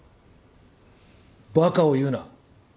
バカを言うな。